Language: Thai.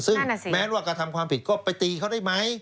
ซึ่งแม้ว่ากระทำความผิดก็ไปตีเขาได้ไหม